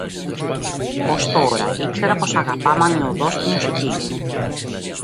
Ως τώρα ήξερα πως αγαπά μανιωδώς τη μουσική